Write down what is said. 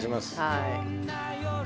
はい。